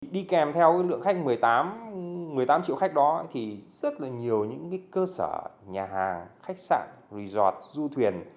đi kèm theo lượng khách một mươi một mươi tám triệu khách đó thì rất là nhiều những cơ sở nhà hàng khách sạn resort du thuyền